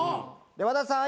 和田さん